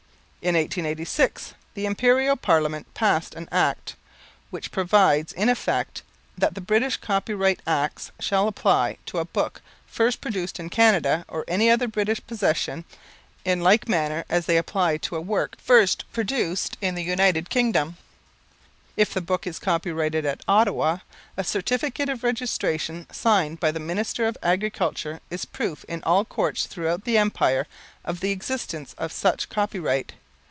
In 1886 the Imperial Parliament passed an Act which provides in effect, that the British Copyright Acts shall apply to a book first produced in Canada or any other British possession, in like manner as they apply to a work first produced in the United Kingdom. If the book is copyrighted at Ottawa, a certificate of registration signed by the Minister of Agriculture is proof in all Courts throughout the Empire of the existence of such copyright.